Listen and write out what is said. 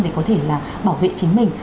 để có thể bảo vệ chính mình